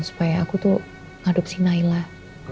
supaya aku tuh mengadopsi nailah